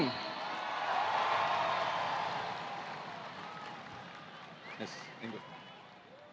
kis lalu tak lupa hilirisasi